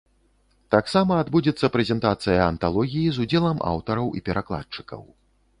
Таксама адбудзецца прэзентацыя анталогіі з удзелам аўтараў і перакладчыкаў.